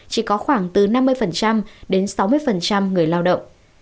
chỉ có khoảng từ năm mươi đến sáu mươi người lao động